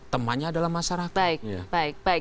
temannya adalah masyarakat